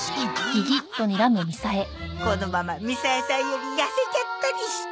このままみさえさんより痩せちゃったりして。